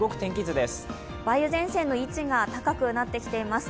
梅雨前線の位置が高くなってきています。